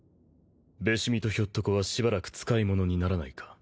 べし見とひょっとこはしばらく使い物にならないか。